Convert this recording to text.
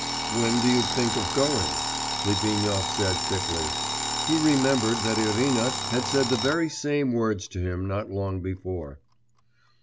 'When do you think of going?' Litvinov said thickly. He remembered that Irina had said the very same words to him not long before.